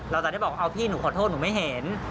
เราจะได้บอกว่าเอาพี่หนูขอโทษหนูไม่เห็น